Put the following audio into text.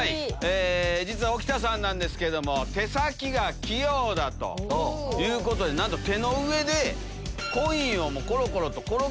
実は沖田さんなんですけども手先が器用だということでなんと手の上で。